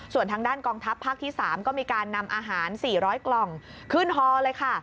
ส่วนทางด้านกองทัพภาคที่๓ก็มีการนำอาหาร๔๐๐กล่องขึ้นฮอเลยค่ะ